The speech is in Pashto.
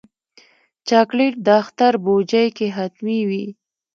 چاکلېټ د اختر بوجۍ کې حتمي وي.